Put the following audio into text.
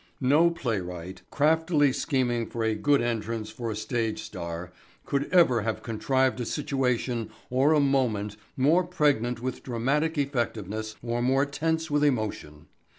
No playwright, craftily scheming for a "good entrance" for a stage star, could ever have contrived a situation or a moment more pregnant with dramatic effectiveness or more tense with emotion.